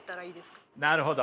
なるほど。